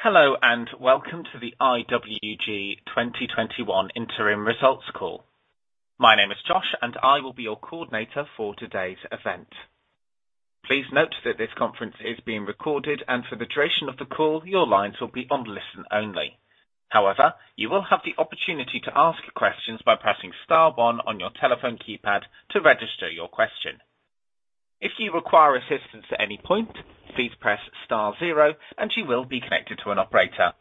Hello, welcome to the IWG 2021 Interim Results Call. My name is Josh, and I will be your coordinator for today's event. Please note that this conference is being recorded, and for the duration of the call, your lines will be on listen-only. However, you will have the opportunity to ask questions by pressing star one on your telephone keypad to register your question. If you require assistance at any point, please press star zero and you will be connected to an operator.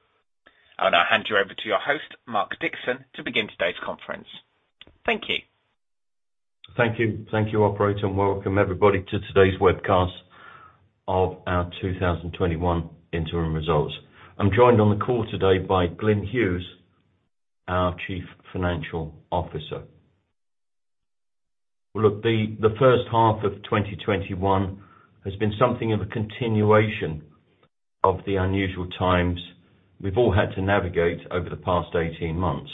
I will now hand you over to your host, Mark Dixon, to begin today's conference. Thank you. Thank you. Thank you, operator. Welcome everybody to today's webcast of our 2021 interim results. I'm joined on the call today by Glyn Hughes, our chief financial officer. Look, the first half of 2021 has been something of a continuation of the unusual times we've all had to navigate over the past 18 months.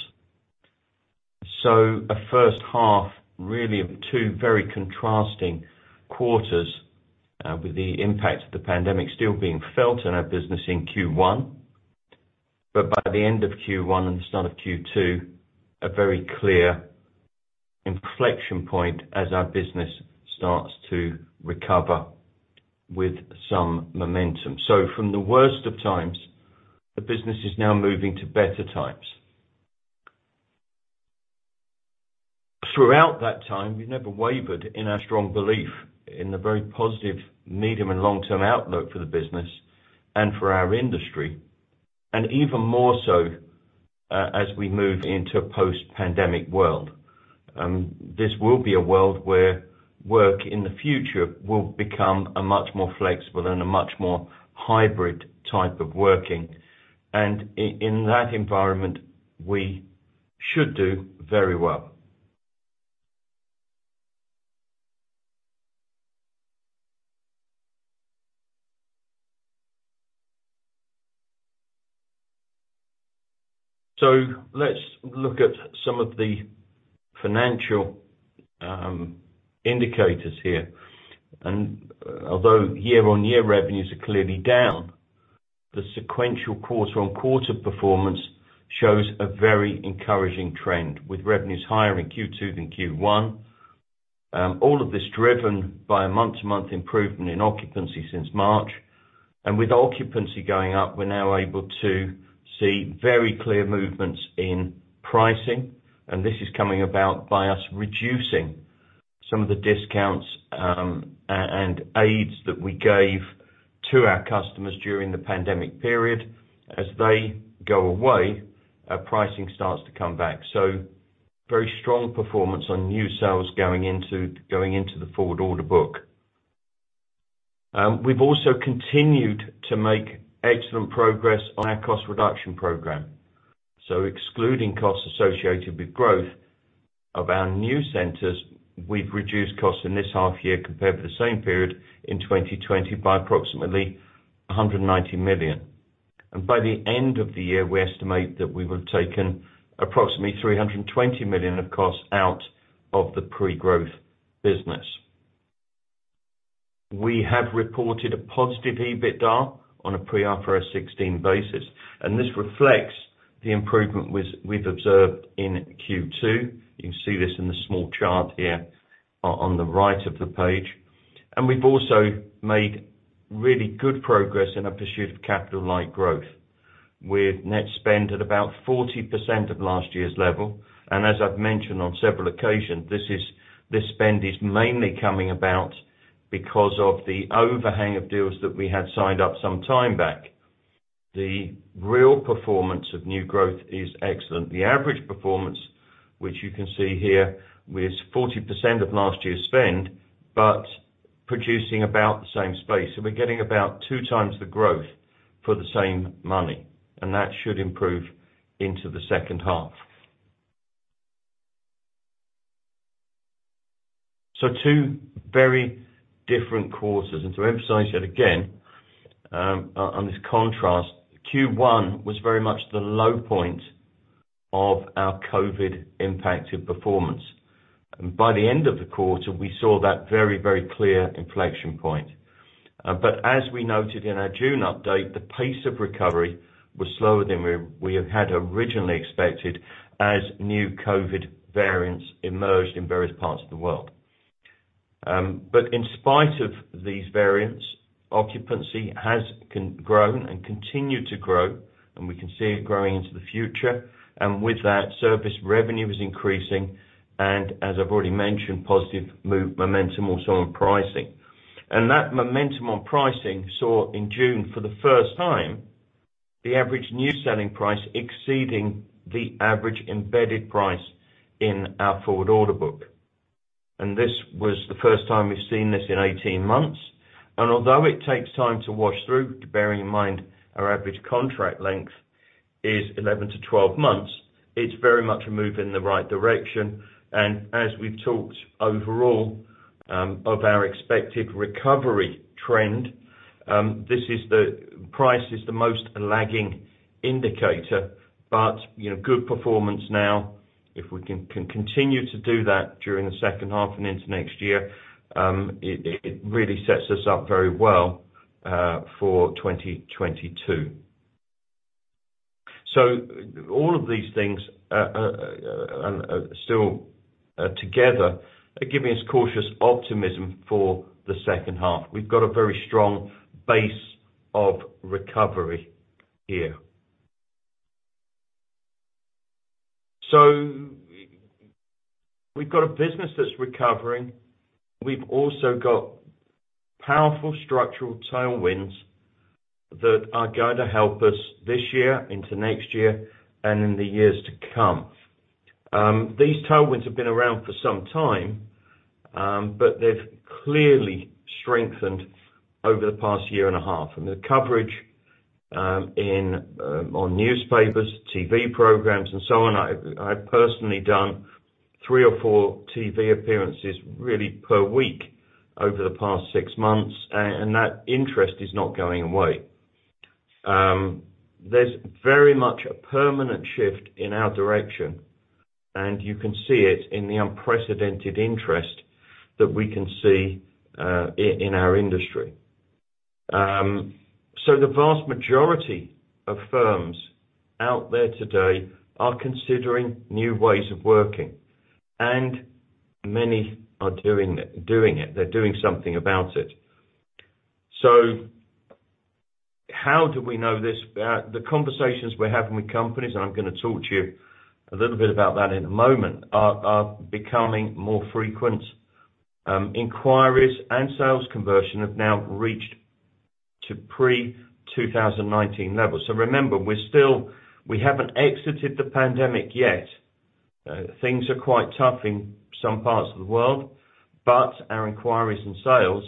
A first half really of two very contrasting quarters, with the impact of the pandemic still being felt in our business in Q1. By the end of Q1 and the start of Q2, a very clear inflection point as our business starts to recover with some momentum. From the worst of times, the business is now moving to better times. Throughout that time, we never wavered in our strong belief in the very positive medium and long-term outlook for the business and for our industry, and even more so as we move into a post-pandemic world. This will be a world where work in the future will become a much more flexible and a much more hybrid type of working, and in that environment, we should do very well. Let's look at some of the financial indicators here. Although year-on-year revenues are clearly down, the sequential quarter-on-quarter performance shows a very encouraging trend, with revenues higher in Q2 than Q1. All of this driven by a month-to-month improvement in occupancy since March. With occupancy going up, we're now able to see very clear movements in pricing. This is coming about by us reducing some of the discounts and aids that we gave to our customers during the pandemic period. As they go away, our pricing starts to come back. Very strong performance on new sales going into the forward order book. We've also continued to make excellent progress on our cost reduction program. Excluding costs associated with growth of our new centers, we've reduced costs in this half year compared to the same period in 2020 by approximately 190 million. By the end of the year, we estimate that we will have taken approximately 320 million of costs out of the pre-growth business. We have reported a positive EBITDA on a pre-IFRS 16 basis, this reflects the improvement we've observed in Q2. You can see this in the small chart here on the right of the page. We've also made really good progress in our pursuit of capital-light growth, with net spend at about 40% of last year's level. As I've mentioned on several occasions, this spend is mainly coming about because of the overhang of deals that we had signed up some time back. The real performance of new growth is excellent. The average performance, which you can see here, with 40% of last year's spend, but producing about the same space. We're getting about two times the growth for the same money, and that should improve into the second half. Two very different quarters. To emphasize that again, on this contrast, Q1 was very much the low point of our COVID-impacted performance. By the end of the quarter, we saw that very clear inflection point. As we noted in our June update, the pace of recovery was slower than we have had originally expected as new COVID variants emerged in various parts of the world. In spite of these variants, occupancy has grown and continued to grow, and we can see it growing into the future. With that, service revenue is increasing and, as I've already mentioned, positive momentum also on pricing. That momentum on pricing saw in June, for the first time, the average new selling price exceeding the average embedded price in our forward order book. This was the first time we've seen this in 18 months. Although it takes time to wash through, bearing in mind our average contract length is 11-12 months, it's very much a move in the right direction. As we've talked overall of our expected recovery trend, price is the most lagging indicator, but good performance now. If we can continue to do that during the second half and into next year, it really sets us up very well for 2022. All of these things are still together, giving us cautious optimism for the second half. We've got a very strong base of recovery here. We've got a business that's recovering. We've also got powerful structural tailwinds that are going to help us this year into next year and in the years to come. These tailwinds have been around for some time, but they've clearly strengthened over the past year and a half. The coverage on newspapers, TV programs, and so on. I've personally done three or four TV appearances really per week over the past six months, and that interest is not going away. There's very much a permanent shift in our direction, and you can see it in the unprecedented interest that we can see in our industry. The vast majority of firms out there today are considering new ways of working, and many are doing it. They're doing something about it. How do we know this? The conversations we're having with companies, and I'm going to talk to you a little bit about that in a moment, are becoming more frequent. Inquiries and sales conversion have now reached to pre-2019 levels. Remember, we haven't exited the pandemic yet. Things are quite tough in some parts of the world, but our inquiries and sales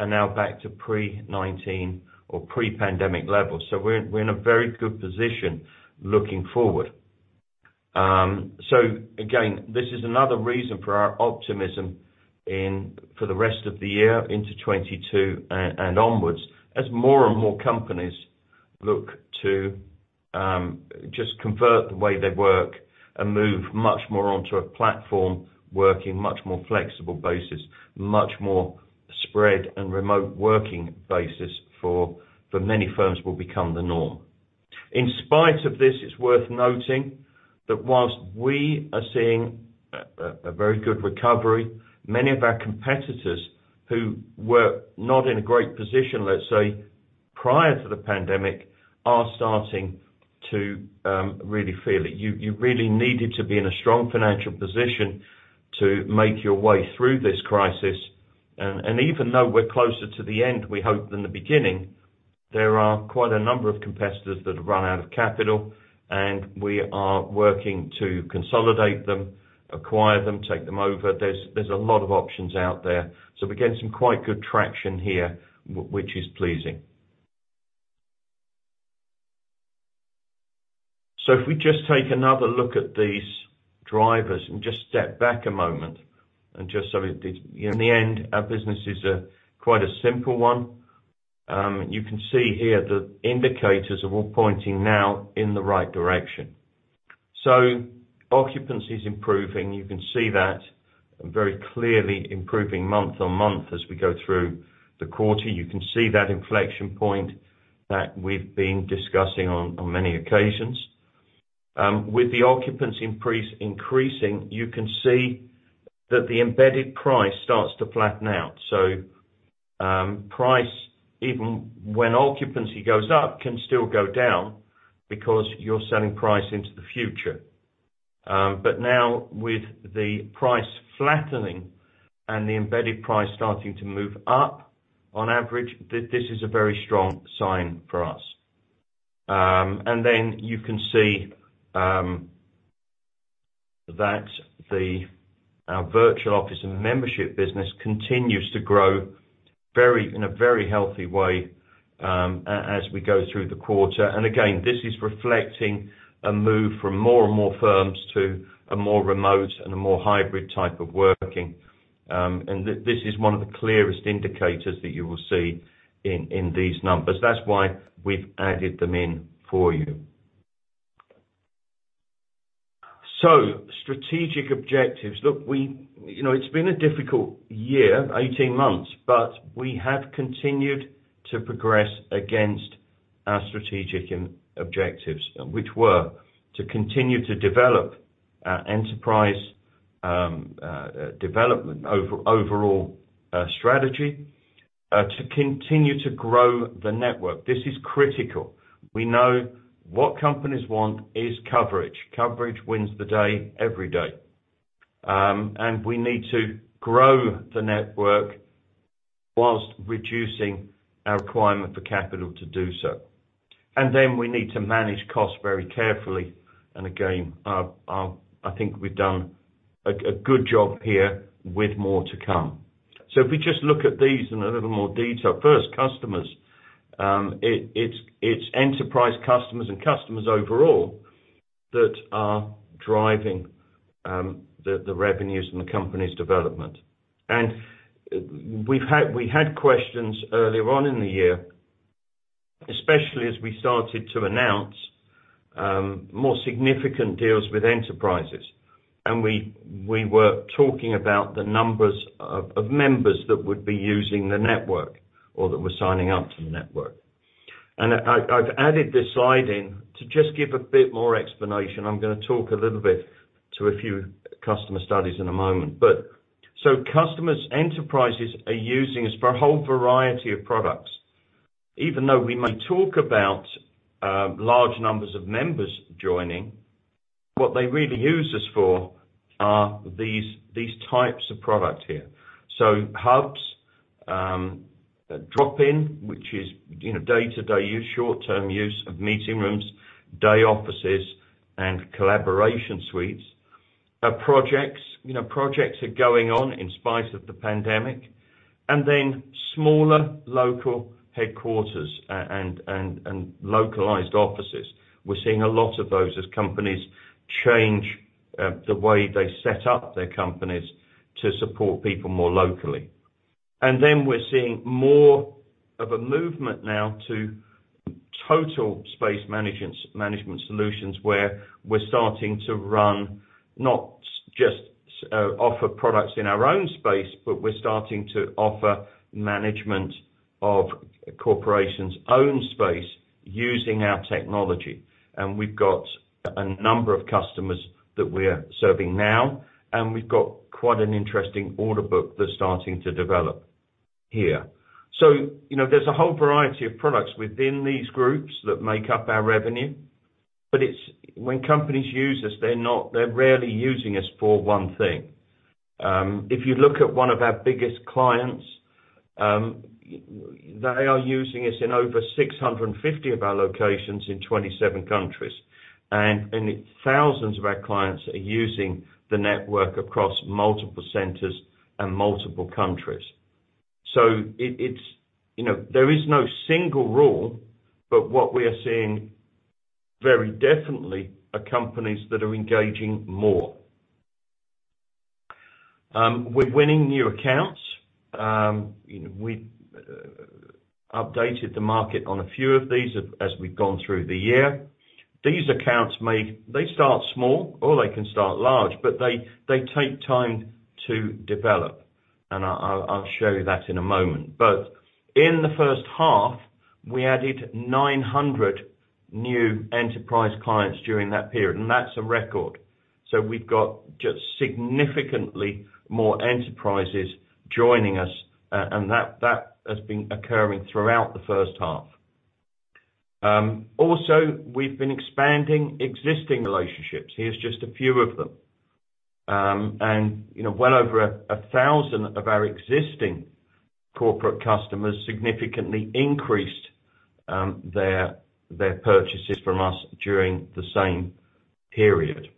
are now back to pre-2019 or pre-pandemic levels. We're in a very good position looking forward. Again, this is another reason for our optimism for the rest of the year into 2022 and onwards, as more and more companies look to just convert the way they work and move much more onto a platform, working much more flexible basis, much more spread and remote working basis for many firms will become the norm. In spite of this, it's worth noting that whilst we are seeing a very good recovery, many of our competitors who were not in a great position, let's say, prior to the pandemic, are starting to really feel it. You really needed to be in a strong financial position to make your way through this crisis. Even though we're closer to the end, we hope, than the beginning, there are quite a number of competitors that have run out of capital, and we are working to consolidate them, acquire them, take them over. There's a lot of options out there. We're getting some quite good traction here, which is pleasing. If we just take another look at these drivers and just step back a moment in the end, our business is quite a simple one. You can see here the indicators are all pointing now in the right direction. Occupancy is improving. You can see that very clearly improving month-on-month as we go through the quarter. You can see that inflection point that we've been discussing on many occasions. With the occupancy increasing, you can see that the embedded price starts to flatten out. Price, even when occupancy goes up, can still go down because you're selling price into the future. Now with the price flattening and the embedded price starting to move up on average, this is a very strong sign for us. You can see that our virtual office and membership business continues to grow in a very healthy way as we go through the quarter. Again, this is reflecting a move from more and more firms to a more remote and a more hybrid type of working. This is one of the clearest indicators that you will see in these numbers. That's why we've added them in for you. Strategic objectives. It's been a difficult year, 18 months, but we have continued to progress against our strategic objectives, which were to continue to develop our enterprise development overall strategy, to continue to grow the network. This is critical. We know what companies want is coverage. Coverage wins the day every day. We need to grow the network while reducing our requirement for capital to do so. We need to manage costs very carefully. Again, I think we've done a good job here with more to come. If we just look at these in a little more detail. First, customers. It's enterprise customers and customers overall that are driving the revenues and the company's development. We had questions earlier on in the year, especially as we started to announce more significant deals with enterprises. We were talking about the numbers of members that would be using the network or that were signing up to the network. I've added this slide in to just give a bit more explanation. I'm going to talk a little bit to a few customer studies in a moment. Customers, enterprises are using us for a whole variety of products. Even though we may talk about large numbers of members joining, what they really use us for are these types of product here. Hubs, drop-in, which is day-to-day use, short-term use of meeting rooms, day offices, and collaboration suites. Projects. Projects are going on in spite of the pandemic. Then smaller local headquarters and localized offices. We're seeing a lot of those as companies change the way they set up their companies to support people more locally. Then we're seeing more of a movement now to total space management solutions, where we're starting to run not just offer products in our own space, but we're starting to offer management of corporations' own space using our technology. We've got a number of customers that we're serving now, and we've got quite an interesting order book that's starting to develop here. There's a whole variety of products within these groups that make up our revenue. When companies use us, they're rarely using us for one thing. If you look at one of our biggest clients, they are using us in over 650 of our locations in 27 countries. Thousands of our clients are using the network across multiple centers and multiple countries. There is no single rule, but what we are seeing very definitely are companies that are engaging more. We're winning new accounts. We updated the market on a few of these as we've gone through the year. These accounts, they start small or they can start large, but they take time to develop, and I'll show you that in a moment. In the first half, we added 900 new enterprise clients during that period, and that's a record. We've got just significantly more enterprises joining us. That has been occurring throughout the first half. Also we've been expanding existing relationships. Here's just a few of them. Well over 1,000 of our existing corporate customers significantly increased their purchases from us during the same period.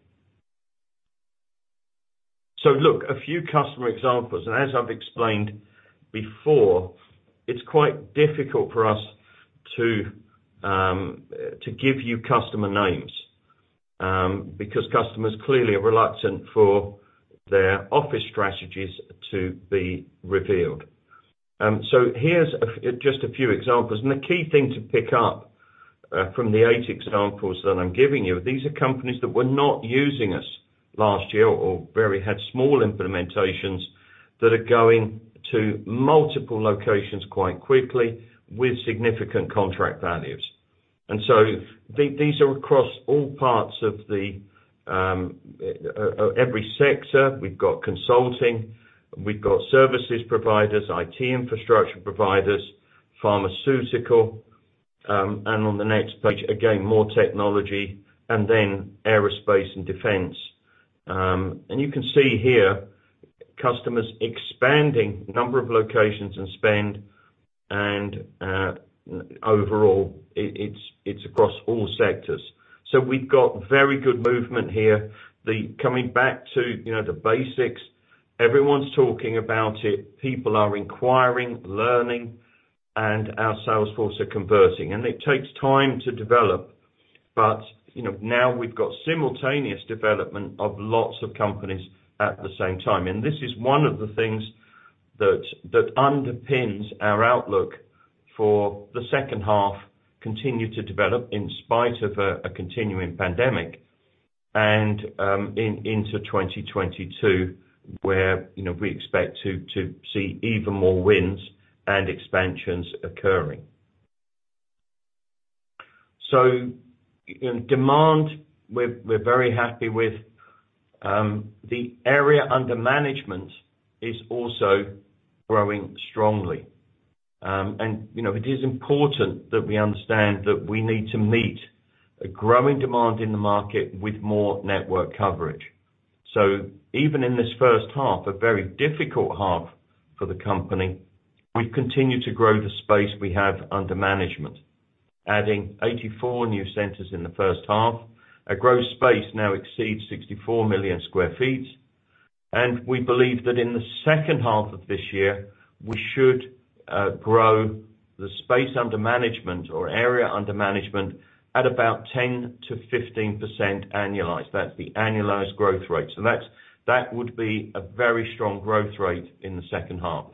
Look, a few customer examples, and as I've explained before, it's quite difficult for us to give you customer names, because customers clearly are reluctant for their office strategies to be revealed. Here's just a few examples, the key thing to pick up from the eight examples that I'm giving you, these are companies that were not using us last year or where we had small implementations that are going to multiple locations quite quickly with significant contract values. These are across all parts of every sector. We've got consulting, we've got services providers, IT infrastructure providers, pharmaceutical. On the next page, again, more technology and then aerospace and defense. You can see here customers expanding number of locations and spend and overall, it's across all sectors. We've got very good movement here. Coming back to the basics, everyone's talking about it, people are inquiring, learning, and our salesforce are converting. It takes time to develop, but now we've got simultaneous development of lots of companies at the same time. This is one of the things that underpins our outlook for the second half continue to develop in spite of a continuing pandemic and into 2022 where we expect to see even more wins and expansions occurring. Demand, we're very happy with. The area under management is also growing strongly. It is important that we understand that we need to meet a growing demand in the market with more network coverage. Even in this first half, a very difficult half for the company, we've continued to grow the space we have under management, adding 84 new centers in the first half. Our gross space now exceeds 64 million sq ft. We believe that in the second half of this year, we should grow the space under management or area under management at about 10%-15% annualized. That's the annualized growth rate. That would be a very strong growth rate in the second half.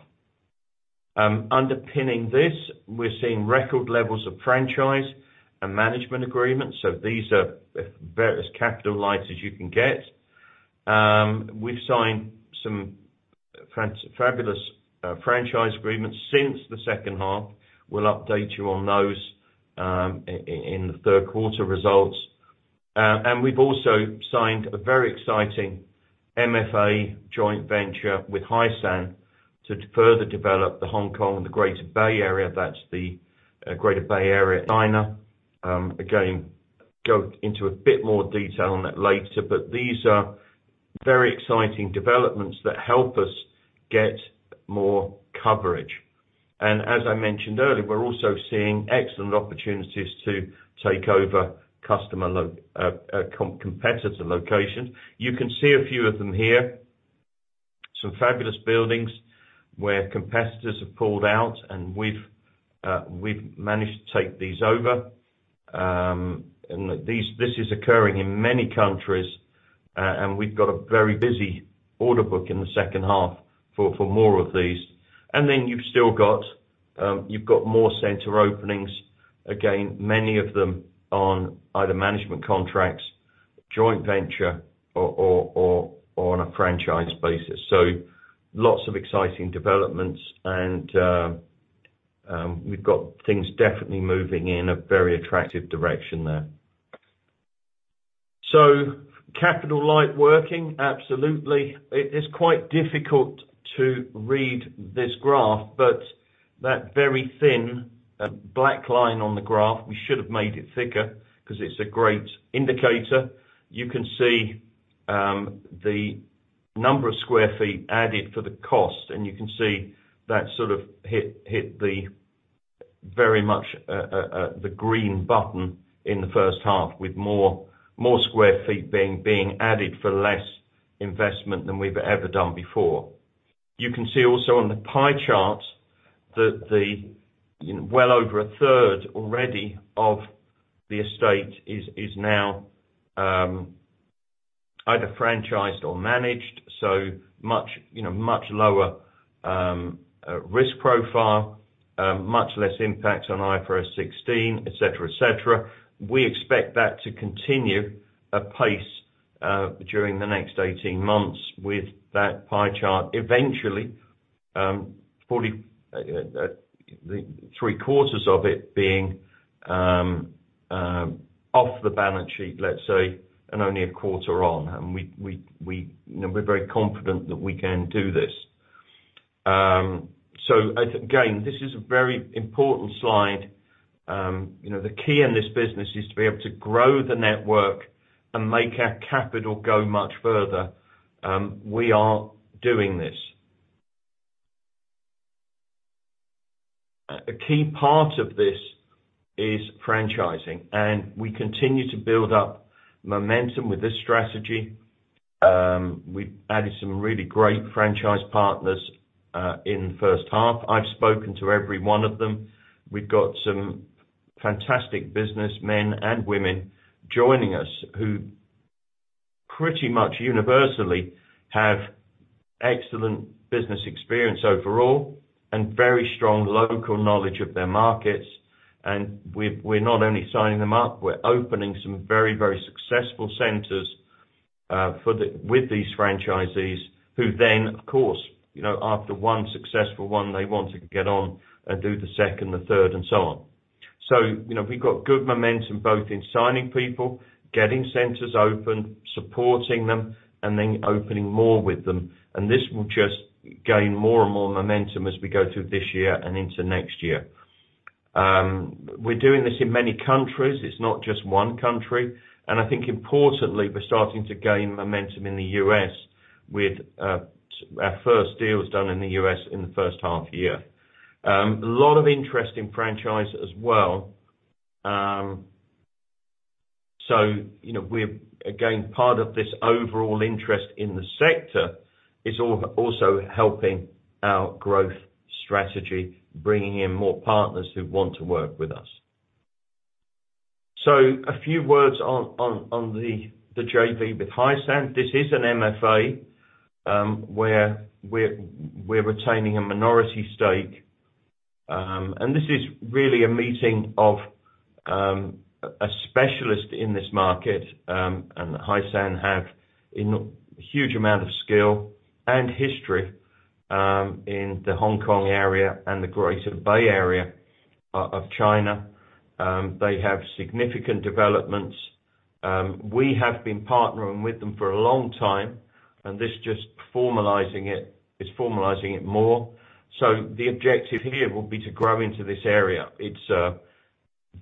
Underpinning this, we're seeing record levels of franchise and management agreements. These are about as capital light as you can get. We've signed some fabulous franchise agreements since the second half. We'll update you on those in the third quarter results. We've also signed a very exciting MFA joint venture with Hysan to further develop the Hong Kong and the Greater Bay Area. That's the Greater Bay Area, China. Again, go into a bit more detail on that later, but these are very exciting developments that help us get more coverage. As I mentioned earlier, we're also seeing excellent opportunities to take over competitor locations. You can see a few of them here, some fabulous buildings where competitors have pulled out and we've managed to take these over. This is occurring in many countries. We've got a very busy order book in the second half for more of these. You've still got more center openings, again, many of them on either management contracts, joint venture or on a franchise basis. Lots of exciting developments, and we've got things definitely moving in a very attractive direction there. Capital light working? Absolutely. It is quite difficult to read this graph, but that very thin black line on the graph, we should have made it thicker because it's a great indicator. You can see the number of square feet added for the cost, and you can see that sort of hit the very much the green button in the first half with more square feet being added for less investment than we've ever done before. You can see also on the pie chart that well over a third already of the estate is now either franchised or managed. Much lower risk profile, much less impact on IFRS 16, et cetera. We expect that to continue apace during the next 18 months with that pie chart eventually three-quarters of it being off the balance sheet, let's say, and only a quarter on. We're very confident that we can do this. Again, this is a very important slide. The key in this business is to be able to grow the network and make our capital go much further. We are doing this. A key part of this is franchising, and we continue to build up momentum with this strategy. We added some really great franchise partners in the first half. I've spoken to every one of them. We've got some fantastic businessmen and women joining us who pretty much universally have excellent business experience overall and very strong local knowledge of their markets. We're not only signing them up, we're opening some very successful centers with these franchisees who then, of course, after one successful one, they want to get on and do the second, the third and so on. We've got good momentum, both in signing people, getting centers open, supporting them and then opening more with them. This will just gain more and more momentum as we go through this year and into next year. We're doing this in many countries. It's not just one country. I think importantly, we're starting to gain momentum in the U.S. with our first deals done in the U.S. in the first half year. A lot of interest in franchise as well. We're, again, part of this overall interest in the sector is also helping our growth strategy, bringing in more partners who want to work with us. A few words on the JV with Hysan. This is an MFA, where we're retaining a minority stake. This is really a meeting of a specialist in this market, and Hysan have a huge amount of skill and history in the Hong Kong area and the Greater Bay Area of China. They have significant developments. We have been partnering with them for a long time, and this just is formalizing it more. The objective here will be to grow into this area. It's a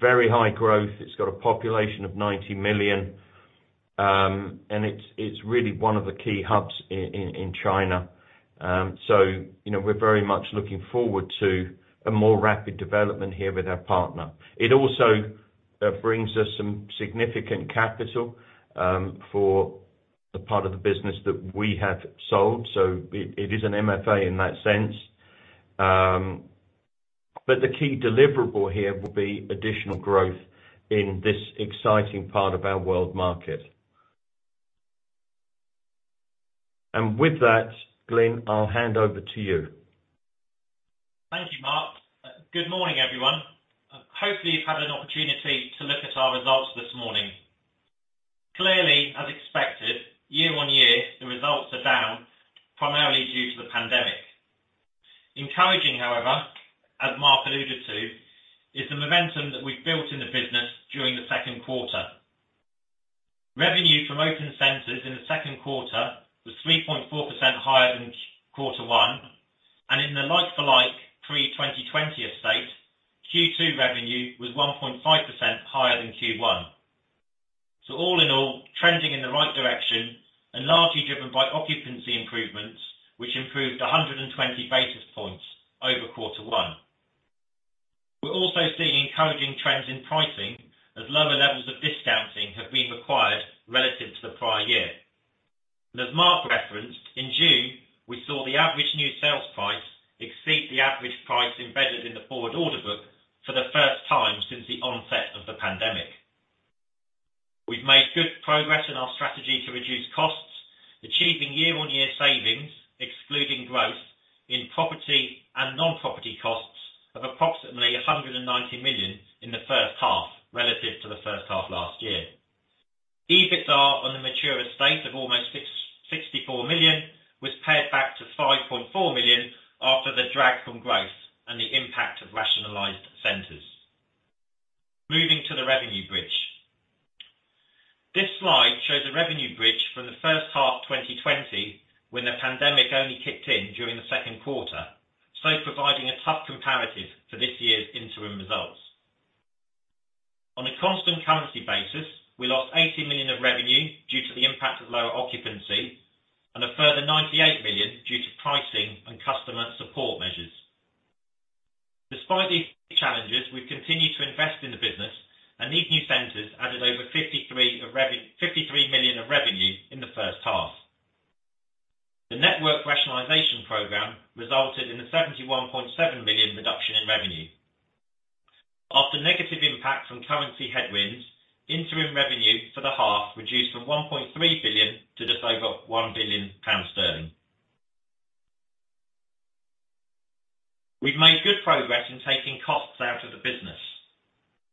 very high growth. It's got a population of 90 million, and it's really one of the key hubs in China. We're very much looking forward to a more rapid development here with our partner. It also brings us some significant capital for the part of the business that we have sold. It is an MFA in that sense. The key deliverable here will be additional growth in this exciting part of our world market. With that, Glyn, I'll hand over to you. Thank you, Mark. Good morning, everyone. Hopefully, you've had an opportunity to look at our results this morning. Clearly, as expected, year-on-year, the results are down, primarily due to the pandemic. Encouraging, however, as Mark alluded to, is the momentum that we've built in the business during the second quarter. Revenue from open centers in the second quarter was 3.4% higher than quarter one, and in the like-for-like pre-2020s estate, Q2 revenue was 1.5% higher than Q1. All in all, trending in the right direction and largely driven by occupancy improvements, which improved 120 basis points over quarter one. We're also seeing encouraging trends in pricing as lower levels of discounting have been required relative to the prior year. As Mark referenced, in June, we saw the average new sales price exceed the average price embedded in the forward order book for the first time since the onset of the pandemic. We've made good progress in our strategy to reduce costs, achieving year-on-year savings, excluding growth in property and non-property costs of approximately 190 million in the first half relative to the first half last year. EBITDA on the mature estate of almost 64 million was pared back to 5.4 million after the drag from growth and the impact of rationalized centers. Moving to the revenue bridge. This slide shows a revenue bridge for the first half 2020, when the pandemic only kicked in during the second quarter, so providing a tough comparative for this year's interim results. On a constant currency basis, we lost 80 million of revenue due to the impact of lower occupancy and a further 98 million due to pricing and customer support measures. Despite these challenges, we've continued to invest in the business, and these new centers added over 53 million of revenue in the first half. The network rationalization program resulted in a 71.7 million reduction in revenue. After negative impact from currency headwinds, interim revenue for the half reduced from 1.3 billion to just over 1 billion pounds. We've made good progress in taking costs out of the business.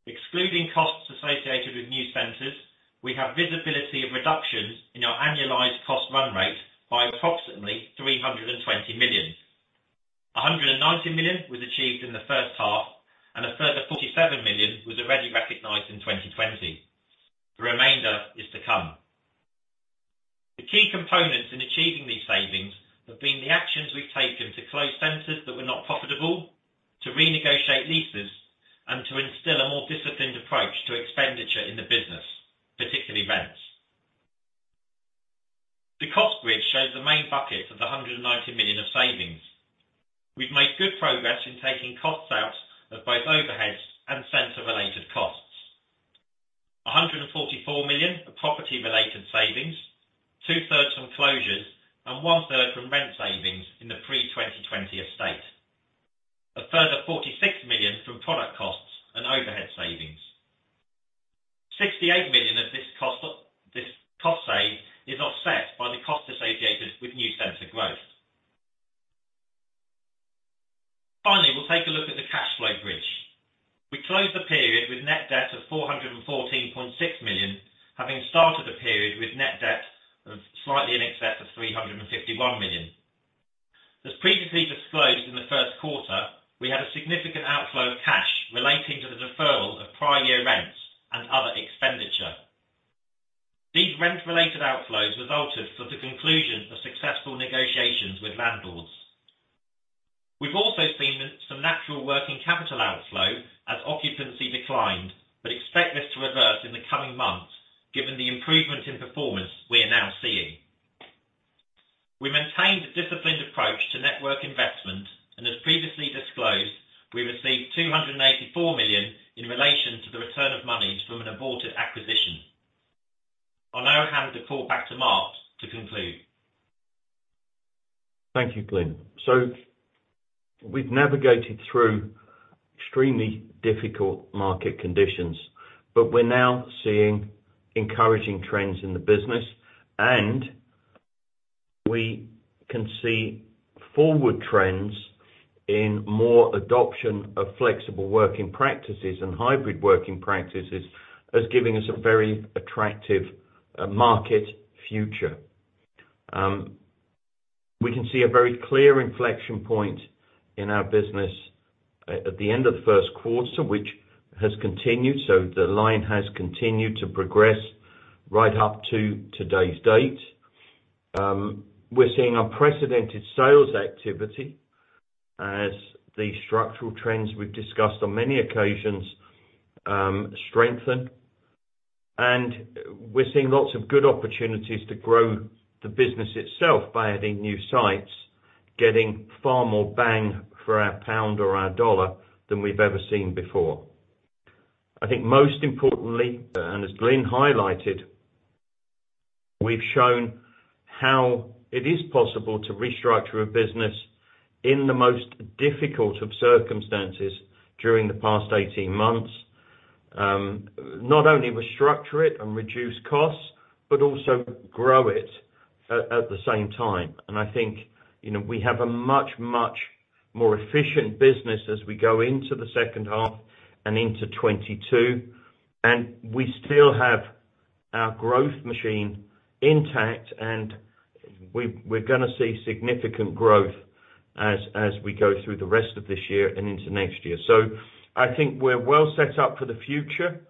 Excluding costs associated with new centers, we have visibility of reductions in our annualized cost run rate by approximately 320 million. 190 million was achieved in the first half, and a further 47 million was already recognized in 2020. The remainder is to come. The key components in achieving these savings have been the actions we've taken to close centers that were not profitable, to renegotiate leases, and to instill a more disciplined approach to expenditure in the business, particularly rents. The cost bridge shows the main buckets of the 190 million of savings. We've made good progress in taking costs out of both overheads and center-related costs. 144 million are property-related savings, two-thirds from closures and one-third from rent savings in the pre-2020 estate. A further 46 million from product costs and overhead savings. 68 million of this cost save is offset by the cost associated with new center growth. Finally, we'll take a look at the cash flow bridge. We closed the period with net debt of 414.6 million, having started the period with net debt of slightly in excess of 351 million. As previously disclosed in the first quarter, we had a significant outflow of cash relating to the deferral of prior year rents and other expenditure. These rent-related outflows resulted from the conclusion of successful negotiations with landlords. Expect this to reverse in the coming months given the improvement in performance we're now seeing. We maintained a disciplined approach to network investment, and as previously disclosed, we received 284 million in relation to the return of monies from an aborted acquisition. I'll now hand the call back to Mark to conclude. Thank you, Glyn. We've navigated through extremely difficult market conditions, but we're now seeing encouraging trends in the business, and we can see forward trends in more adoption of flexible working practices and hybrid working practices as giving us a very attractive market future. We can see a very clear inflection point in our business at the end of the first quarter, which has continued. The line has continued to progress right up to today's date. We're seeing unprecedented sales activity as the structural trends we've discussed on many occasions strengthen, and we're seeing lots of good opportunities to grow the business itself by adding new sites, getting far more bang for our pound or our dollar than we've ever seen before. I think most importantly, as Glyn highlighted, we've shown how it is possible to restructure a business in the most difficult of circumstances during the past 18 months. Not only restructure it and reduce costs, but also grow it at the same time. I think we have a much, much more efficient business as we go into the second half and into 2022. We still have our growth machine intact, and we're going to see significant growth as we go through the rest of this year and into next year. I think we're well set up for the future.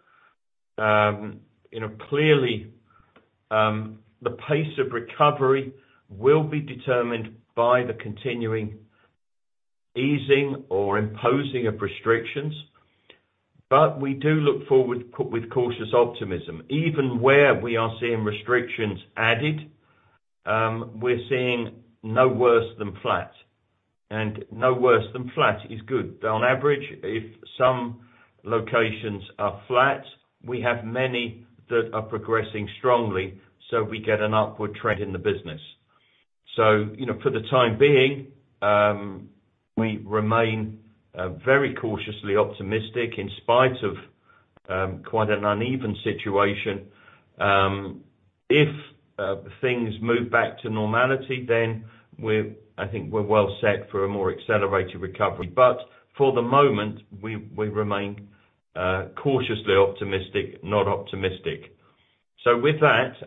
Clearly, the pace of recovery will be determined by the continuing easing or imposing of restrictions. We do look forward with cautious optimism. Even where we are seeing restrictions added, we're seeing no worse than flat. No worse than flat is good. On average, if some locations are flat, we have many that are progressing strongly, so we get an upward trend in the business. For the time being, we remain very cautiously optimistic in spite of quite an uneven situation. If things move back to normality, then I think we're well set for a more accelerated recovery. For the moment, we remain cautiously optimistic, not optimistic. With that,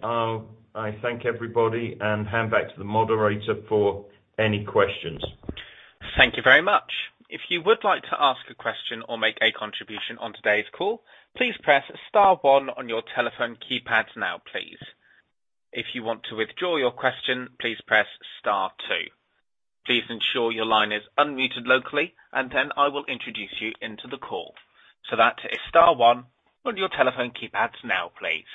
I thank everybody and hand back to the moderator for any questions. Thank you very much. If you would like to ask a question or make a contribution on today's call, please press star one on your telephone keypads now, please. If you want to withdraw your question, please press star two. Please ensure your line is unmuted locally, and then I will introduce you into the call. So that is star one on your telephone keypads now, please.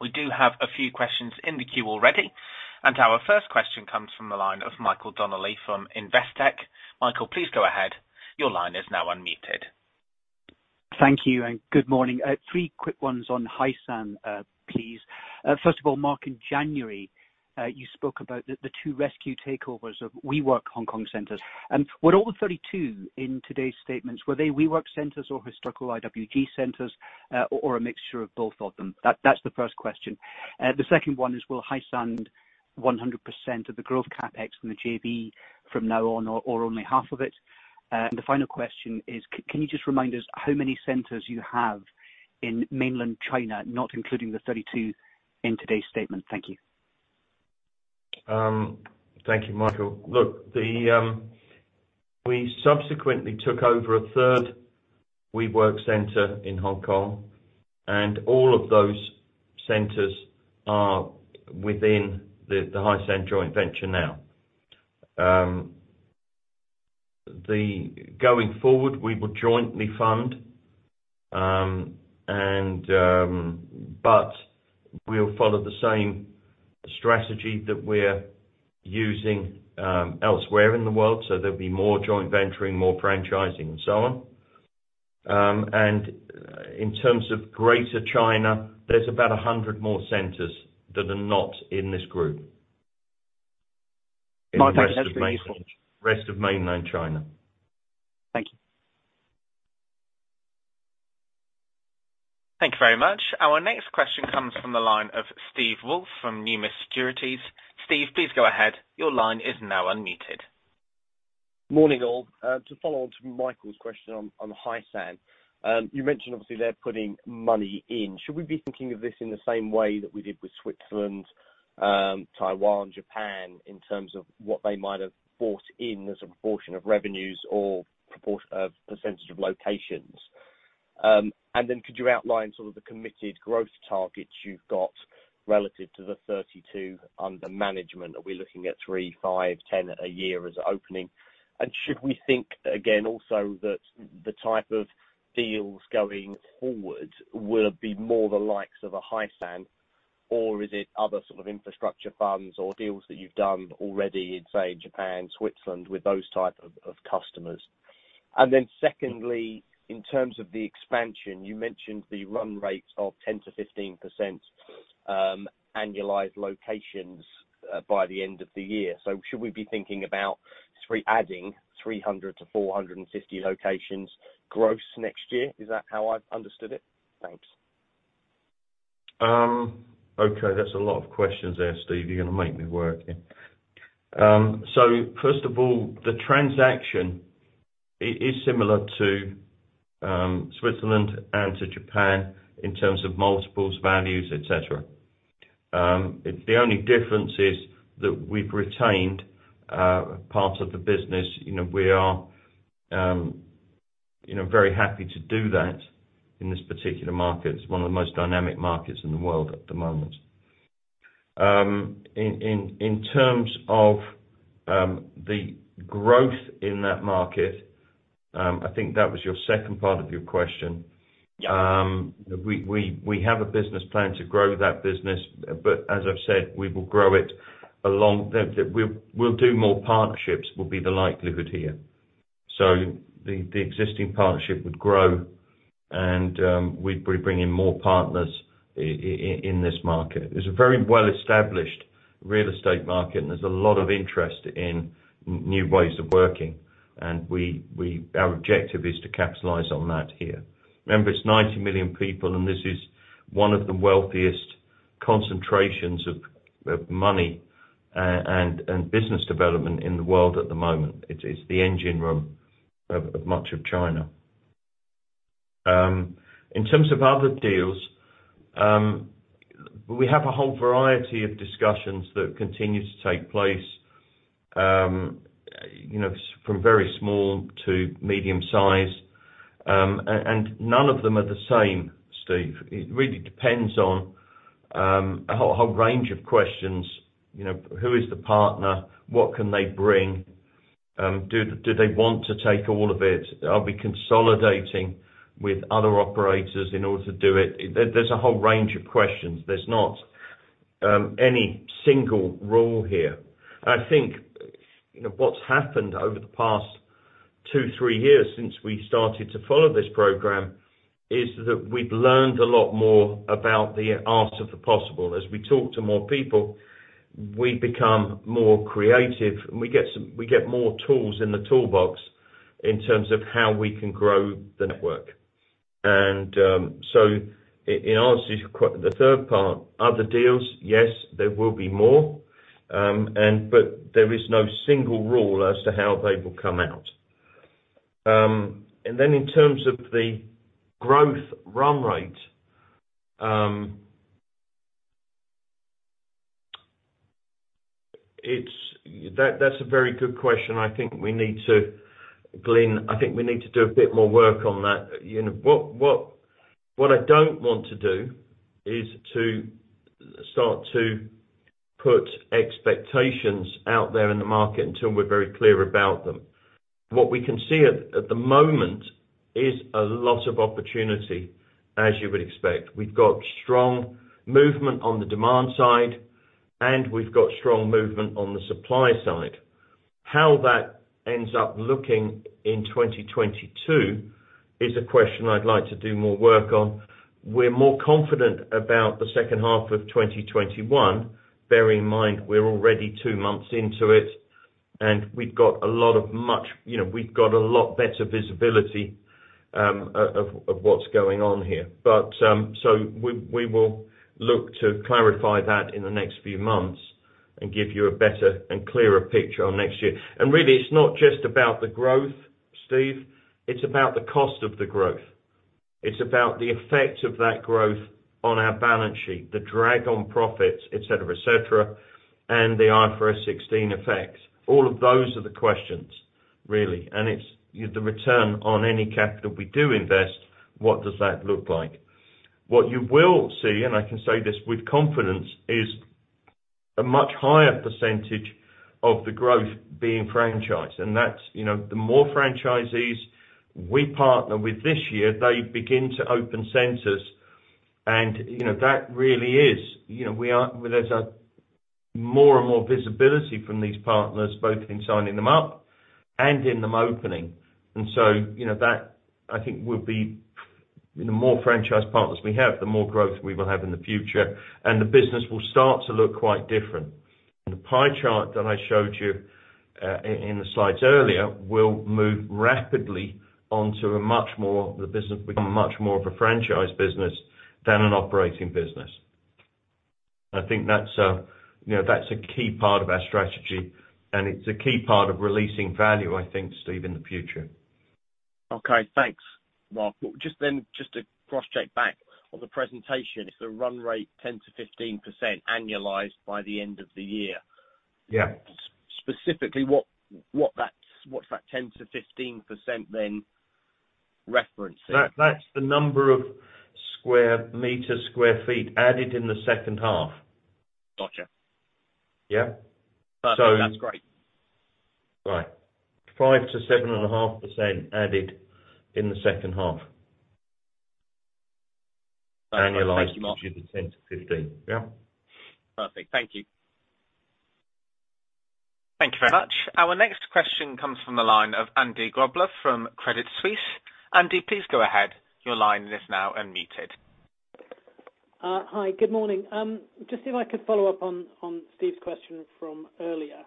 We do have a few questions in the queue already, and our first question comes from the line of Michael Donnelly from Investec. Michael, please go ahead. Your line is now unmuted. Thank you, and good morning. Three quick ones on Hysan, please. First of all, Mark, in January, you spoke about the two rescue takeovers of WeWork Hong Kong centers. Were all the 32 in today's statements, were they WeWork centers or historical IWG centers, or a mixture of both of them? That's the first question. The second one is, will Hysan own 100% of the growth CapEx from the JV from now on or only half of it? The final question is, can you just remind us how many centers you have in mainland China, not including the 32 in today's statement? Thank you. Thank you, Michael. Look, we subsequently took over a third WeWork center in Hong Kong, and all of those centers are within the Hysan joint venture now. Going forward, we will jointly fund, but we'll follow the same strategy that we're using elsewhere in the world. There'll be more joint venturing, more franchising and so on. In terms of Greater China, there's about 100 more centers that are not in this group. Mark, thank you. That's very useful. Rest of mainland China. Thank you. Thank you very much. Our next question comes from the line of Steve Woolf from Numis Securities. Steve, please go ahead. Your line is now unmuted. Morning, all. To follow on to Michael's question on Hysan, you mentioned obviously they're putting money in. Should we be thinking of this in the same way that we did with Switzerland, Taiwan, Japan, in terms of what they might have brought in as a proportion of revenues or percentage of locations? Could you outline sort of the committed growth targets you've got relative to the 32 under management? Are we looking at three, five, 10 a year as opening? Should we think, again, also that the type of deals going forward will be more the likes of a Hysan, or is it other sort of infrastructure funds or deals that you've done already in, say, Japan, Switzerland, with those type of customers? Secondly, in terms of the expansion, you mentioned the run rates of 10%-15% annualized locations by the end of the year. Should we be thinking about adding 300 locations-450 locations gross next year? Is that how I've understood it? Thanks. Okay, that's a lot of questions there, Steve. You're going to make me work here. First of all, the transaction is similar to Switzerland and to Japan in terms of multiples, values, et cetera. The only difference is that we've retained part of the business. We are very happy to do that in this particular market. It's one of the most dynamic markets in the world at the moment. In terms of the growth in that market, I think that was your second part of your question. Yeah. We have a business plan to grow that business, as I've said, we will grow it. We'll do more partnerships, will be the likelihood here. The existing partnership would grow, and we bring in more partners in this market. It's a very well-established real estate market, and there's a lot of interest in new ways of working, and our objective is to capitalize on that here. Remember, it's 90 million people, and this is one of the wealthiest concentrations of money and business development in the world at the moment. It's the engine room of much of China. In terms of other deals, we have a whole variety of discussions that continue to take place from very small to medium size. None of them are the same, Steve. It really depends on a whole range of questions. Who is the partner? What can they bring? Do they want to take all of it? Are we consolidating with other operators in order to do it? There's a whole range of questions. There's not any single rule here. I think what's happened over the past two, three years since we started to follow this program is that we've learned a lot more about the art of the possible. As we talk to more people, we become more creative, and we get more tools in the toolbox in terms of how we can grow the network. In answer to the third part, other deals, yes, there will be more. There is no single rule as to how they will come out. In terms of the growth run rate, that's a very good question. Glyn, I think we need to do a bit more work on that. What I don't want to do is to start to put expectations out there in the market until we're very clear about them. What we can see at the moment is a lot of opportunity, as you would expect. We've got strong movement on the demand side, and we've got strong movement on the supply side. How that ends up looking in 2022 is a question I'd like to do more work on. We're more confident about the second half of 2021. Bear in mind, we're already two months into it, and we've got a lot better visibility of what's going on here. We will look to clarify that in the next few months and give you a better and clearer picture on next year. Really, it's not just about the growth, Steve. It's about the cost of the growth. It's about the effect of that growth on our balance sheet, the drag on profits, et cetera, et cetera, and the IFRS 16 effect. All of those are the questions, really, and it's the return on any capital we do invest, what does that look like? What you will see, and I can say this with confidence, is a much higher percentage of the growth being franchised. The more franchisees we partner with this year, they begin to open centers, and there's more and more visibility from these partners, both in signing them up and in them opening. That I think will be the more franchise partners we have, the more growth we will have in the future, and the business will start to look quite different. The pie chart that I showed you in the slides earlier will move rapidly onto a much more of a franchise business than an operating business. I think that's a key part of our strategy, and it's a key part of releasing value, I think, Steve, in the future. Okay, thanks, Mark. Just to cross-check back on the presentation, it's the run rate 10%-15% annualized by the end of the year. Yeah. Specifically, what's that 10%-15% then referencing? That's the number of square meter, square feet added in the second half. Gotcha. Yeah. Perfect. That's great. Right. 5%-7.5% added in the second half. Thank you, Mark. Annualized, which is the 10%-15%. Yeah. Perfect. Thank you. Thank you very much. Our next question comes from the line of Andy Grobler from Credit Suisse. Andy, please go ahead. Your line is now unmuted. Hi. Good morning. Just see if I could follow up on Steve's question from earlier.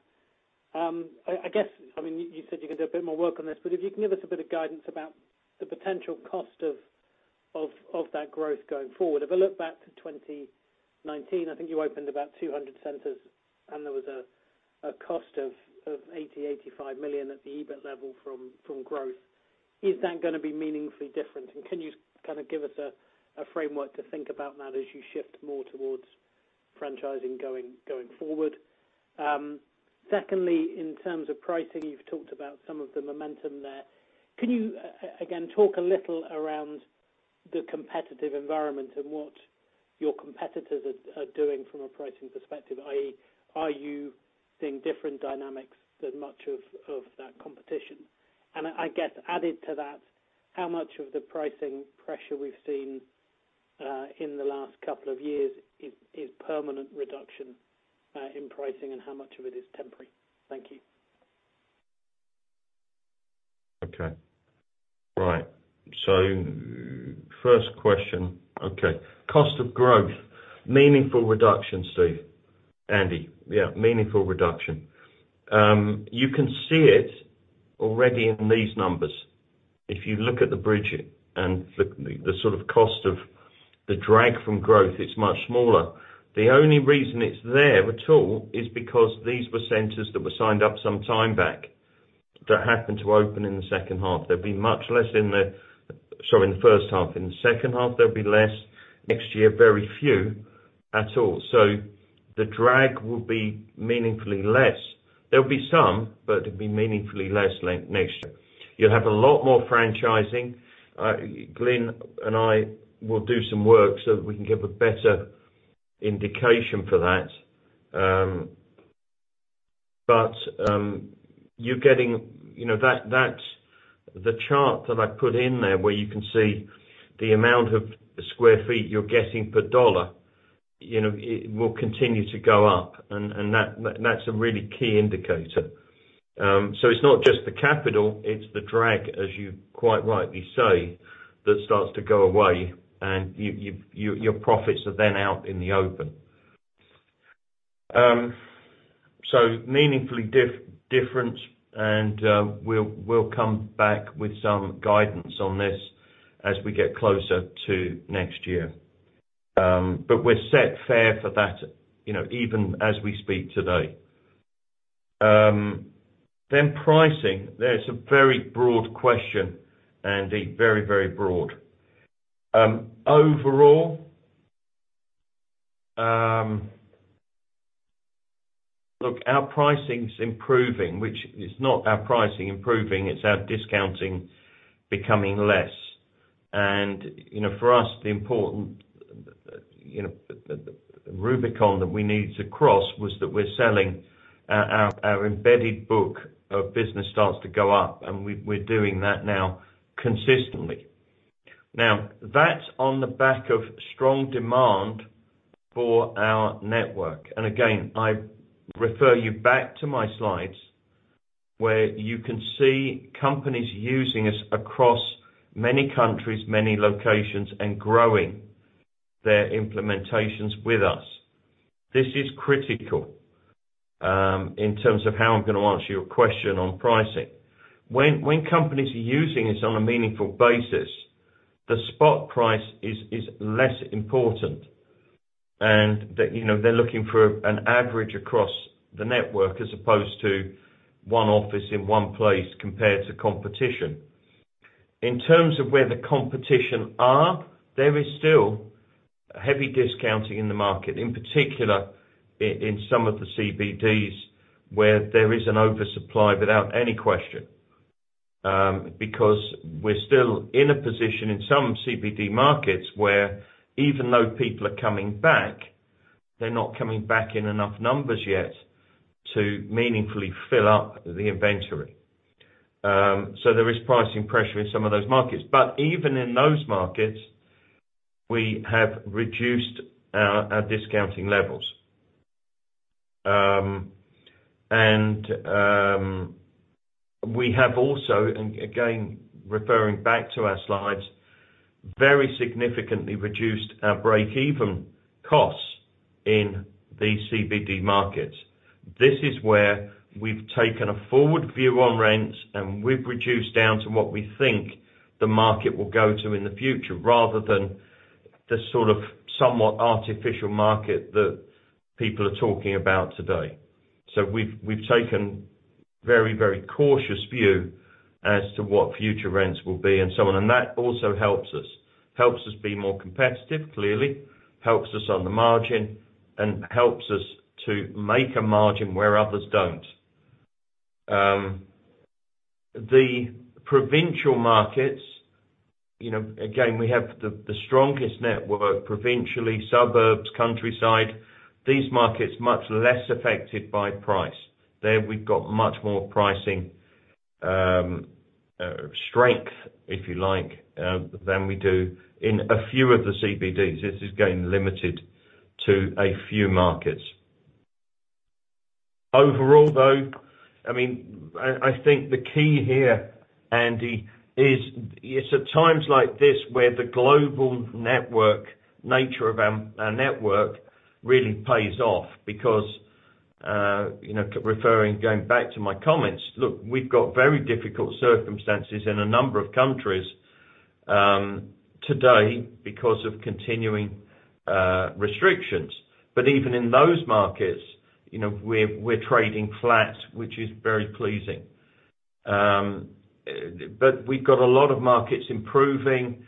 I guess, you said you're going to do a bit more work on this, if you can give us a bit of guidance about the potential cost of that growth going forward. If I look back to 2019, I think you opened about 200 centers, there was a cost of 80 million-85 million at the EBIT level from growth. Is that going to be meaningfully different? Can you kind of give us a framework to think about that as you shift more towards franchising going forward? Secondly, in terms of pricing, you've talked about some of the momentum there. Can you, again, talk a little around the competitive environment and what your competitors are doing from a pricing perspective, i.e., are you seeing different dynamics than much of that competition? I guess added to that, how much of the pricing pressure we've seen in the last couple of years is permanent reduction in pricing and how much of it is temporary? Thank you. First question. Cost of growth, meaningful reduction, Andy. Meaningful reduction. You can see it already in these numbers. If you look at the bridge and the sort of cost of the drag from growth, it's much smaller. The only reason it's there at all is because these were centers that were signed up some time back that happened to open in the second half. There'll be much less in the first half. In the second half, there'll be less. Next year, very few at all. The drag will be meaningfully less. There'll be some, but it'll be meaningfully less next year. You'll have a lot more franchising. Glyn and I will do some work so that we can give a better indication for that. The chart that I put in there where you can see the amount of square feet you're getting per GBP, it will continue to go up, and that's a really key indicator. It's not just the capital, it's the drag, as you quite rightly say, that starts to go away, and your profits are then out in the open. Meaningfully different, and we'll come back with some guidance on this as we get closer to next year. We're set fair for that, even as we speak today. Pricing, that is a very broad question, Andy. Very broad. Overall, look, our pricing's improving. It's not our pricing improving, it's our discounting becoming less. For us, the important Rubicon that we needed to cross was that we're selling our embedded book of business starts to go up, and we're doing that now consistently. That's on the back of strong demand for our network. Again, I refer you back to my slides where you can see companies using us across many countries, many locations, and growing their implementations with us. This is critical in terms of how I'm going to answer your question on pricing. When companies are using us on a meaningful basis, the spot price is less important. They're looking for an average across the network as opposed to one office in one place compared to competition. In terms of where the competition are, there is still heavy discounting in the market, in particular in some of the CBDs where there is an oversupply without any question. We're still in a position in some CBD markets where even though people are coming back, they're not coming back in enough numbers yet to meaningfully fill up the inventory. There is pricing pressure in some of those markets. Even in those markets, we have reduced our discounting levels. We have also, and again, referring back to our slides, very significantly reduced our break-even costs in these CBD markets. This is where we've taken a forward view on rents, and we've reduced down to what we think the market will go to in the future, rather than the sort of somewhat artificial market that people are talking about today. We've taken very cautious view as to what future rents will be and so on. That also helps us, helps us be more competitive, clearly, helps us on the margin, and helps us to make a margin where others don't. The provincial markets, again, we have the strongest network provincially, suburbs, countryside, these markets much less affected by price. There we've got much more pricing strength, if you like, than we do in a few of the CBDs. This is again limited to a few markets. Overall, though, I think the key here, Andy, is it's at times like this where the global network nature of our network really pays off because, going back to my comments, look, we've got very difficult circumstances in a number of countries today because of continuing restrictions. Even in those markets, we're trading flat, which is very pleasing. We've got a lot of markets improving.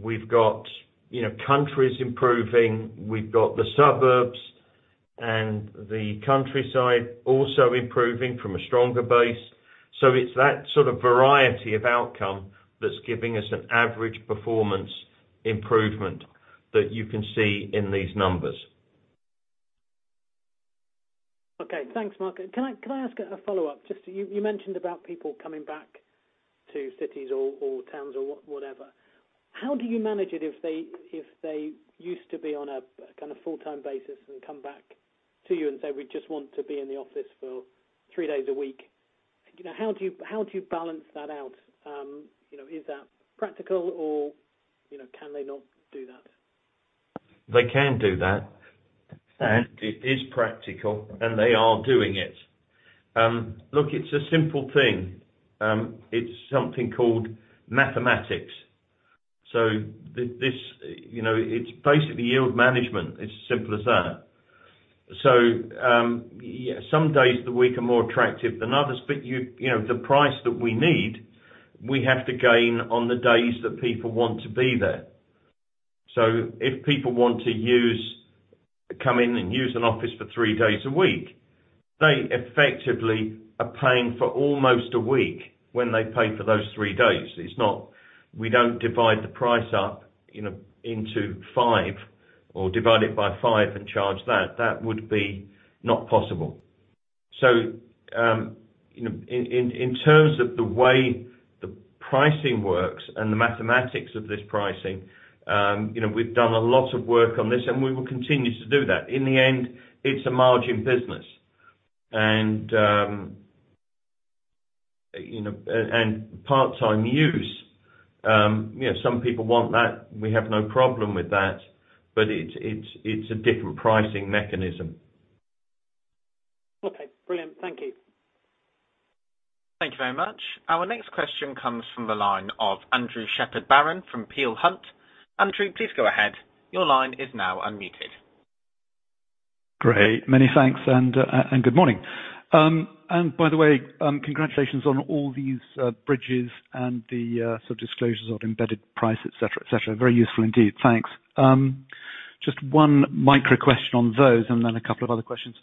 We've got countries improving. We've got the suburbs and the countryside also improving from a stronger base. It's that sort of variety of outcome that's giving us an average performance improvement that you can see in these numbers. Okay. Thanks, Mark. Can I ask a follow-up? You mentioned about people coming back to cities or towns or whatever. How do you manage it if they used to be on a kind of full-time basis and come back to you and say, we just want to be in the office for three days a week. How do you balance that out? Is that practical or can they not do that? They can do that, and it is practical, and they are doing it. Look, it's a simple thing. It's something called mathematics. It's basically yield management, it's as simple as that. Some days of the week are more attractive than others, but the price that we need, we have to gain on the days that people want to be there. If people want to come in and use an office for three days a week, they effectively are paying for almost a week when they pay for those three days. We don't divide the price up into five or divide it by five and charge that. That would be not possible. In terms of the way the pricing works and the mathematics of this pricing, we've done a lot of work on this, and we will continue to do that. In the end, it's a margin business. Part-time use, some people want that, we have no problem with that, but it's a different pricing mechanism. Okay, brilliant. Thank you. Thank you very much. Our next question comes from the line of Andrew Shepherd-Barron from Peel Hunt. Andrew, please go ahead. Your line is now unmuted. Great. Many thanks, and good morning. By the way, congratulations on all these bridges and the sort of disclosures of embedded price, et cetera, et cetera. Very useful indeed. Thanks. Just one micro question on those, and then a couple of other questions.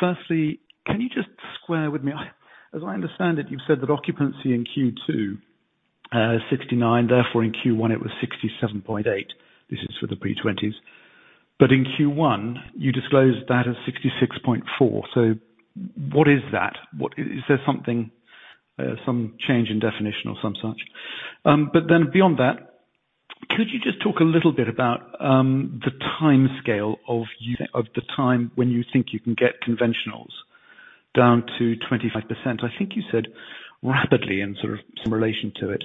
Firstly, can you just square with me, as I understand it, you've said that occupancy in Q2 is 69, therefore, in Q1 it was 67.8. This is for the pre-2020s. In Q1 you disclosed that as 66.4. What is that? Is there some change in definition or some such? Beyond that, could you just talk a little bit about the timescale of the time when you think you can get conventionals down to 25%? I think you said rapidly in sort of some relation to it.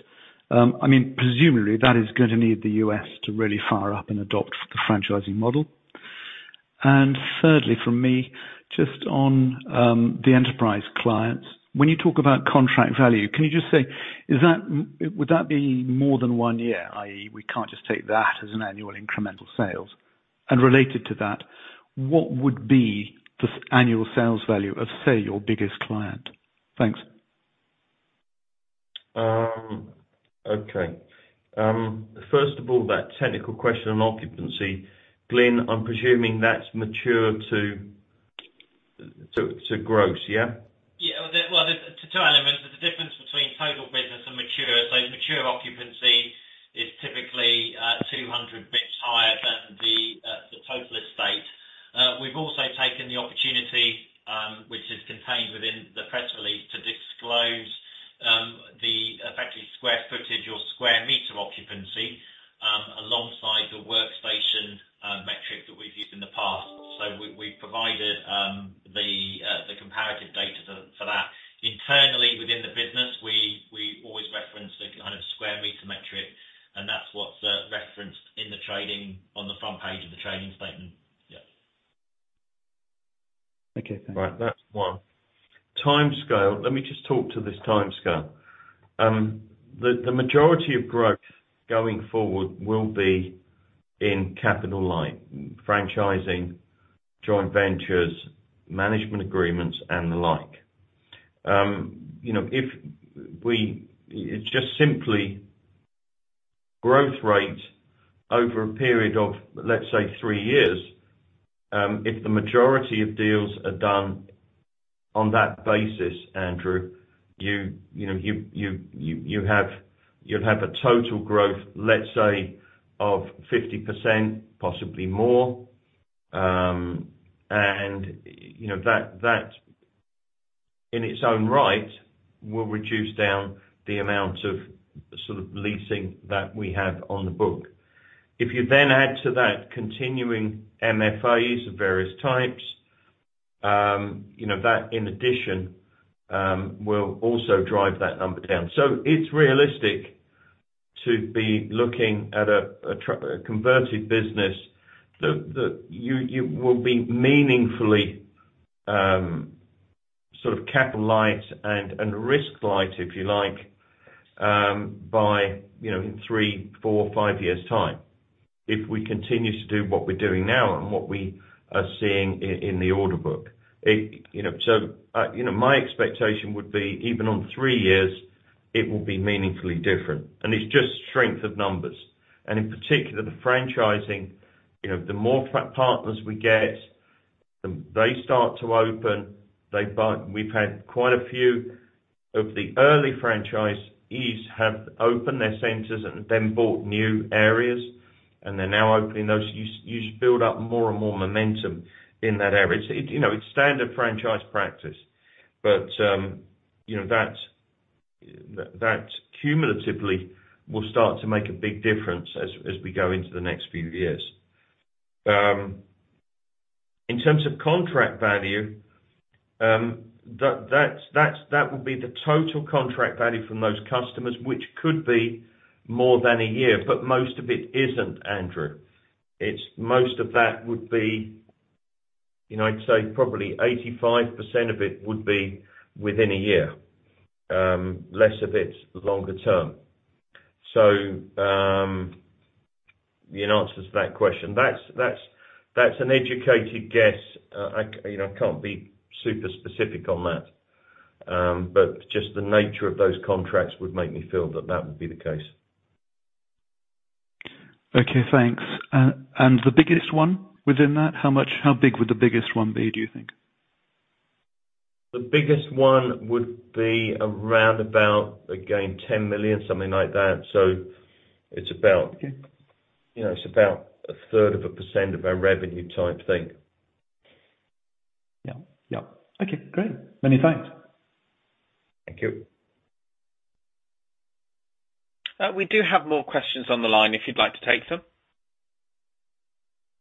Presumably, that is going to need the U.S. to really fire up and adopt the franchising model. Thirdly, from me, just on the enterprise clients. When you talk about contract value, can you just say, would that be more than one year, i.e., we can't just take that as an annual incremental sales? Related to that, what would be the annual sales value of, say, your biggest client? Thanks. Okay. First of all, that technical question on occupancy. Glyn, I'm presuming that's mature to gross, yeah? Yeah. Well, there's two elements. There's a difference between total business and mature. Mature occupancy is typically 200 basis points higher than the total estate. We've also taken the opportunity, which is contained within the press release, to disclose the effectively square footage or square meter occupancy, alongside the workstation metric that we've used in the past. We provided the comparative data for that. Internally, within the business, we always reference the kind of square meter metric, and that's what's referenced in the trading on the front page of the trading statement. Yeah. Okay. Thank you. Right. That's one. Timescale. Let me just talk to this timescale. The majority of growth going forward will be in capital light, franchising, joint ventures, management agreements, and the like. It's just simply growth rate over a period of, let's say, three years. If the majority of deals are done on that basis, Andrew, you'll have a total growth, let's say, of 50%, possibly more. That in its own right, will reduce down the amount of sort of leasing that we have on the book. If you then add to that continuing MFAs of various types, that in addition, will also drive that number down. It's realistic to be looking at a converted business that you will be meaningfully sort of capital light and risk light, if you like, by in three, four, five years time if we continue to do what we're doing now and what we are seeing in the order book. My expectation would be even on three years, it will be meaningfully different, and it's just strength of numbers. In particular, the franchising, the more partners we get, they start to open. We've had quite a few of the early franchisees have opened their centers and then bought new areas, and they're now opening those. You build up more and more momentum in that area. It's standard franchise practice. That cumulatively will start to make a big difference as we go into the next few years. In terms of contract value, that will be the total contract value from those customers, which could be more than a year, but most of it isn't, Andrew. Most of that would be, I'd say, probably 85% of it would be within a year. Less of it is longer-term. In answer to that question, that's an educated guess. I can't be super specific on that. Just the nature of those contracts would make me feel that that would be the case. Okay, thanks. The biggest one within that, how big would the biggest one be, do you think? The biggest one would be around about, again, 10 million, something like that. Okay. It's about a third of a percent of our revenue type thing. Yeah. Okay, great. Many thanks. Thank you. We do have more questions on the line if you'd like to take them. Of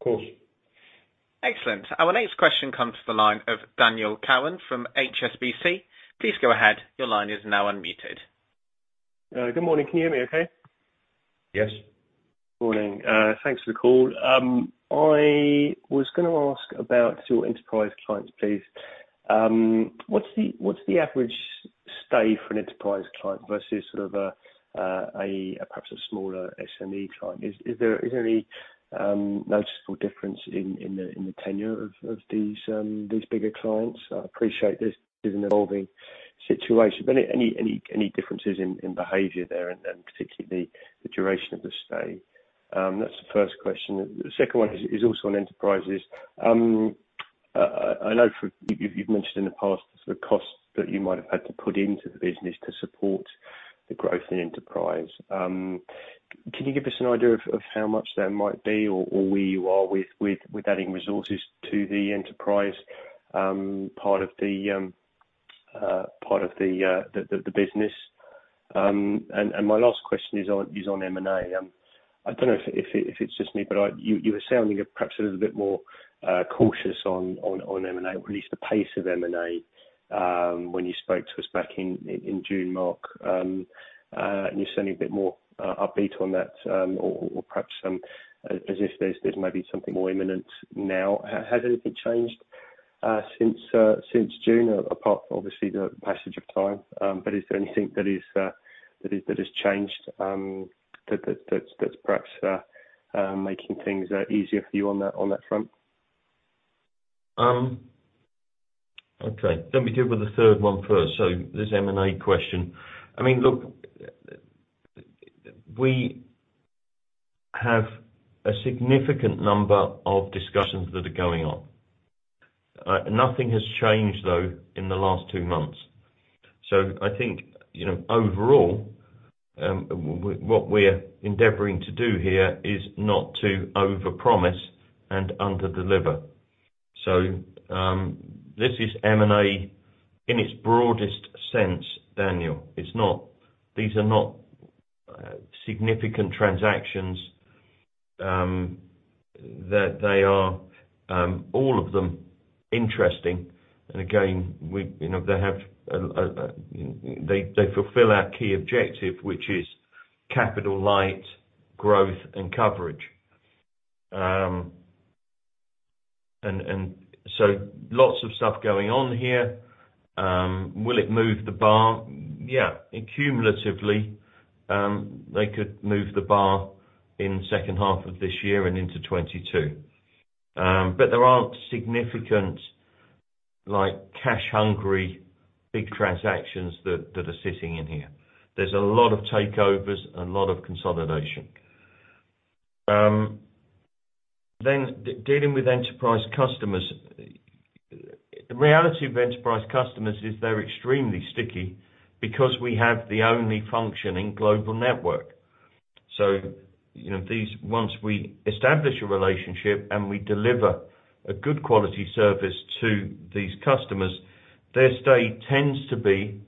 course. Excellent. Our next question comes from the line of Daniel Cowan from HSBC. Please go ahead. Good morning. Can you hear me okay? Yes. Morning. Thanks for the call. I was going to ask about your enterprise clients, please. What's the average stay for an enterprise client versus perhaps a smaller SME client? Is there any noticeable difference in the tenure of these bigger clients? I appreciate this is an evolving situation. Any differences in behavior there, and particularly the duration of the stay? That's the first question. The second one is also on enterprises. I know you've mentioned in the past the costs that you might have had to put into the business to support the growth in enterprise. Can you give us an idea of how much that might be or where you are with adding resources to the enterprise part of the business? My last question is on M&A. I don't know if it's just me, but you were sounding perhaps a little bit more cautious on M&A, or at least the pace of M&A, when you spoke to us back in June, Mark, and you sound a bit more upbeat on that or perhaps as if there's maybe something more imminent now. Has anything changed since June, apart from obviously the passage of time? But is there anything that has changed that's perhaps making things easier for you on that front? Okay. Let me deal with the third one first. This M&A question. Look, we have a significant number of discussions that are going on. Nothing has changed, though, in the last two months. I think, overall, what we're endeavoring to do here is not to overpromise and underdeliver. This is M&A in its broadest sense, Daniel. These are not significant transactions. They are, all of them, interesting. Again, they fulfill our key objective, which is capital light, growth, and coverage. Lots of stuff going on here. Will it move the bar? Yeah. Cumulatively, they could move the bar in second half of this year and into 2022. There aren't significant cash-hungry, big transactions that are sitting in here. There's a lot of takeovers and a lot of consolidation. Dealing with enterprise customers. The reality of enterprise customers is they're extremely sticky because we have the only functioning global network. Once we establish a relationship and we deliver a good quality service to these customers, their stay tends to be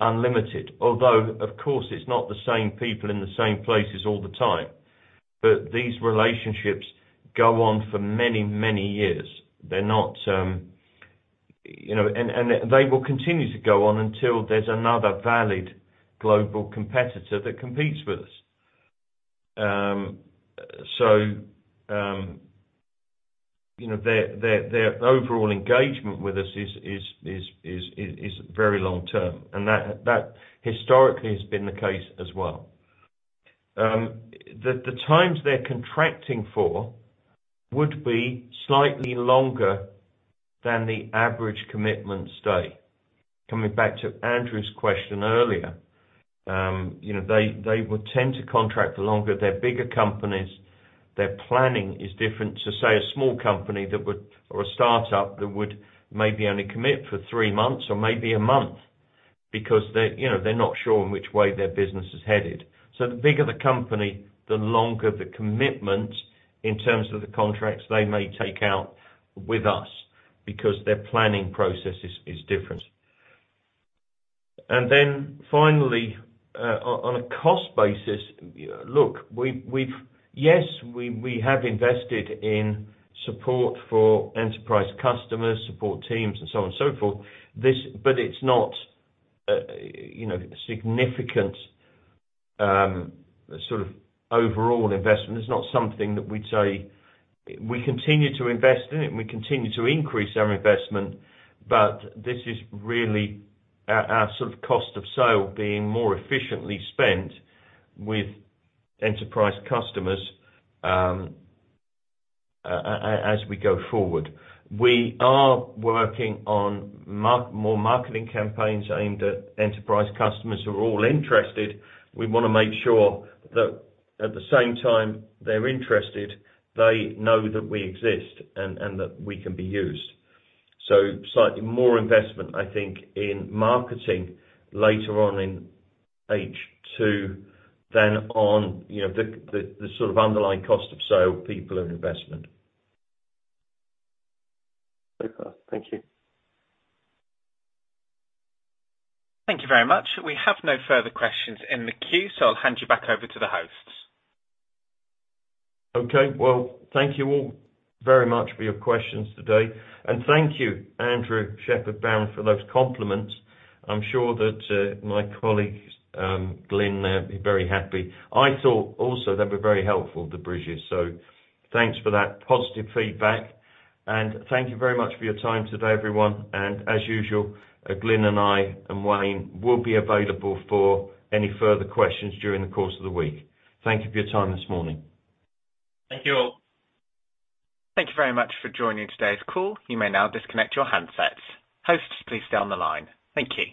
unlimited. Although, of course, it's not the same people in the same places all the time. These relationships go on for many, many years. They will continue to go on until there's another valid global competitor that competes with us. Their overall engagement with us is very long-term, and that historically has been the case as well. The times they're contracting for would be slightly longer than the average commitment stay. Coming back to Andrew's question earlier, they would tend to contract for longer. They're bigger companies. Their planning is different to, say, a small company or a startup that would maybe only commit for three months or maybe a month because they're not sure in which way their business is headed. The bigger the company, the longer the commitment in terms of the contracts they may take out with us because their planning process is different. Then finally, on a cost basis, yes, we have invested in support for enterprise customers, support teams, and so on and so forth, but it's not a significant sort of overall investment. It's not something that we'd say we continue to invest in it, and we continue to increase our investment, but this is really our sort of cost of sale being more efficiently spent with enterprise customers as we go forward. We are working on more marketing campaigns aimed at enterprise customers who are all interested. We want to make sure that at the same time they're interested, they know that we exist and that we can be used. Slightly more investment, I think, in marketing later on in H2 than on the sort of underlying cost of sale, people and investment. Okay. Thank you. Thank you very much. We have no further questions in the queue, so I'll hand you back over to the hosts. Okay. Well, thank you all very much for your questions today. Thank you, Andrew Shepherd-Barron, for those compliments. I'm sure that my colleague Glyn there will be very happy. I thought also they were very helpful, the bridges. Thanks for that positive feedback. Thank you very much for your time today, everyone. As usual Glyn and I, and Wayne will be available for any further questions during the course of the week. Thank you for your time this morning. Thank you all. Thank you very much for joining today's call. You may now disconnect your handsets. Hosts, please stay on the line. Thank you.